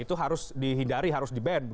itu harus dihindari harus di ban